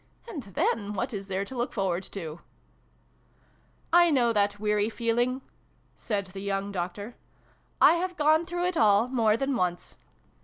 And then what is there to look forward to ?"" I know that weary feeling," said the young Doctor. " I have gone through it all, more than once.